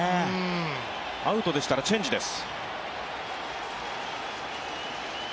アウトでしたらチェンジです。